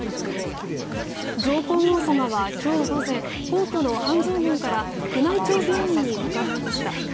上皇后さまは今日午前皇居の半蔵門から宮内庁病院に向かわれました。